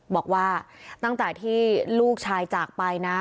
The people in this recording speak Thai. บอกว่าตั้งแต่ที่ลูกชายจากไปนะ